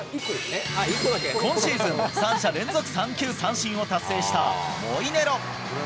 今シーズン三者連続三球三振を達成したモイネロ。